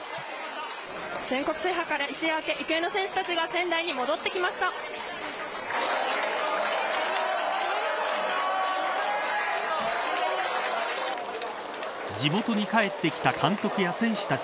全国制覇から一夜明け育英の選手たちが仙台に戻ってきました。